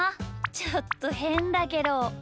ちょっとへんだけど。